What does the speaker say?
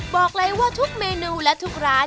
บอกเลยว่าทุกเมนูและทุกร้าน